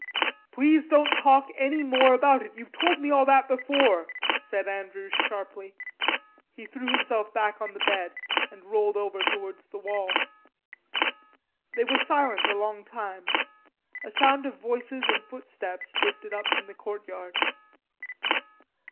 "Please don't talk any more about it. You've told me all that before," said Andrews sharply. He threw himself back on the bed and rolled over towards the wall. They were silent a long time. A sound of voices and footsteps drifted up from the courtyard.